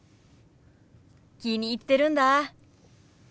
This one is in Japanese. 気に入ってるんだ。